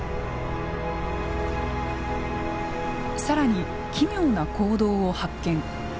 更に奇妙な行動を発見。